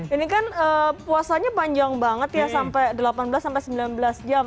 ini kan puasanya panjang banget ya sampai delapan belas sampai sembilan belas jam